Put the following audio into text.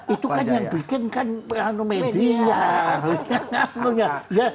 itu kan yang bikin kan media